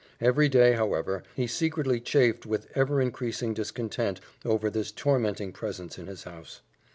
Every day, however, he secretly chafed with ever increasing discontent, over this tormenting presence in his house.